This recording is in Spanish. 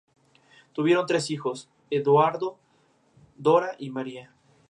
La restauración mantuvo las dimensiones perimetrales y cuatro de los mausoleos laterales.